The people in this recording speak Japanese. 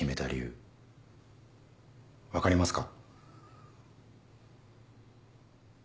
分かりますか？